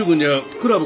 クラブ？